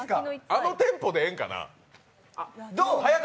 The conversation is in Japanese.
あのテンポでええんかな？